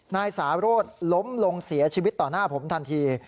นายสาโรธล้มลงเสียชีวิตต่อหน้าผมทันที